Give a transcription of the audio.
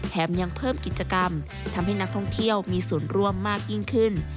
ยังเพิ่มกิจกรรมทำให้นักท่องเที่ยวมีส่วนร่วมมากยิ่งขึ้น